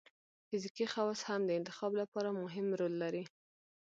فزیکي خواص هم د انتخاب لپاره مهم رول لري.